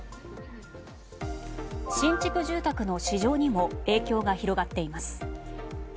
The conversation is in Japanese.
新築住宅の市場にも影響が広がっています。